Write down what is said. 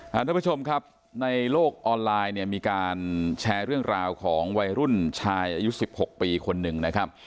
ท่านผู้ชมครับในโลกออนไลน์เนี่ยมีการแชร์เรื่องราวของวัยรุ่นชายอายุสิบหกปีคนหนึ่งนะครับ